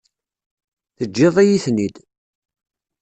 Teǧǧiḍ-iyi-ten-id.